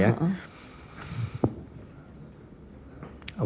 iya seperti susu aja